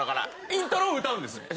イントロを歌うんですね？